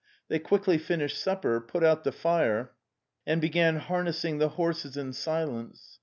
... They quickly finished supper, put out the fire and began harnessing the horses in silence.